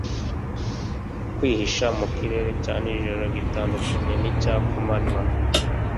kwihisha mu kirere cya nijoro gitandukanye nicya kumanywa